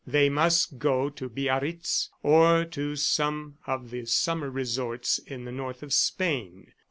They must go to Biarritz or to some of the summer resorts in the north of Spain.